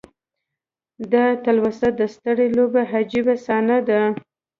دا تلوسه د سترې لوبې عجیبه صحنه ده.